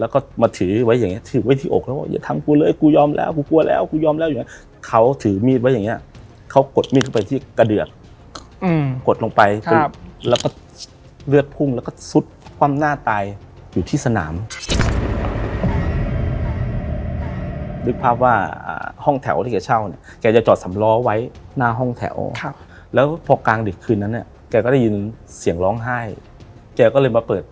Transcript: แล้วก็มาถือไว้อย่างเงี้ยถือไว้ที่อกแล้วว่าอย่าทำกูเลยกูยอมแล้วกูกลัวแล้วกูยอมแล้วอย่างเงี้ยเขาถือมีดไว้อย่างเงี้ยเขากดมีดเข้าไปที่กระเดือดอืมกดลงไปครับแล้วก็เลือดพุ่งแล้วก็สุดความหน้าตายอยู่ที่สนามนึกภาพว่าอ่าห้องแถวที่เขาเช่าเนี้ยแกจะจอดสำล้อไว้หน้าห้องแถวครับแล้วพอกล